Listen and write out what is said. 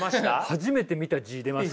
初めて見た字出ました。